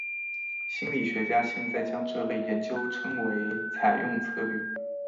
心理学家现在将这类研究称为采用策略。